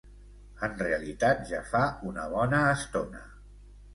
En realitat, ja fa una bona estona.